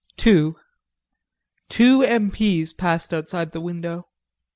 II Two M.P.'s passed outside the window.